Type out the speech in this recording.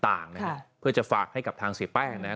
ต่างนะฮะเพื่อจะฝากให้กับทางเสียแป้งนะครับ